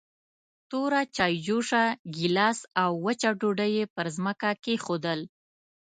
توره چايجوشه، ګيلاس او وچه ډوډۍ يې پر ځمکه کېښودل.